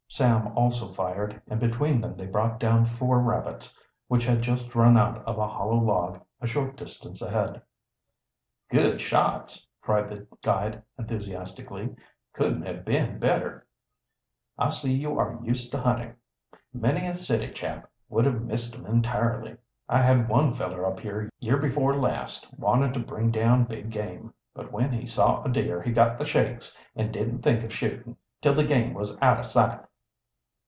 Sam also fired, and between them they brought down four rabbits, which had just run out of a hollow log a short distance ahead. "Good shots!" cried the guide enthusiastically. "Couldn't have been better. I see you are used to hunting. Many a city chap would have missed 'em entirely. I had one feller up here year before last wanted to bring down big game, but when he saw a deer he got the shakes and didn't think of shootin' till the game was out o' sight."